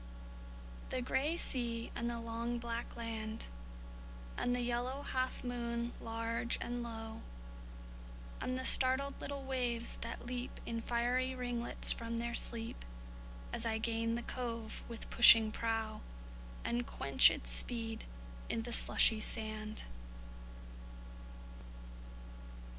The gray sea and the long black land; And the yellow half moon large and low; And the startled little waves that leap In fiery ringlets from their sleep, As I gain the cove with pushing prow, And quench its speed i' the slushy sand.